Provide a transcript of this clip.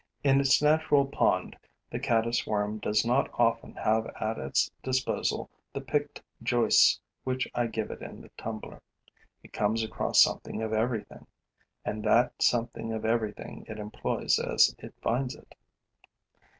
In its natural pond, the caddis worm does not often have at its disposal the picked joists which I give it in the tumbler. It comes across something of everything; and that something of everything it employs as it finds it.